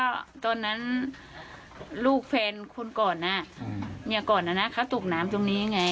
ก็ตอนนั้นลูกเฟรนคุณโกดนะเมียโกดนะนะเขาตุกน้ำตรงนี้ไง